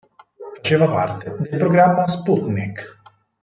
Faceva parte del programma Sputnik.